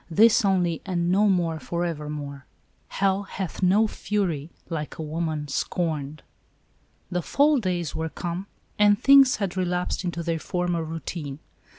This only, and no more forevermore." " Hell hath no fury like a woman scorned." The fall days were come, and things had re lapsed into their former routine.